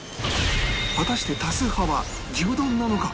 果たして多数派は牛丼なのか？